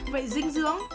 vậy dinh dưỡng